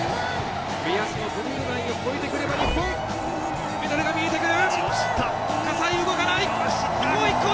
目安のブルーのラインを越えて来ればメダルが見えて来る！